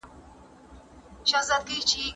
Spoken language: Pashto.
هغې د ارواپوهنې لوړې زده کړې کړې دي.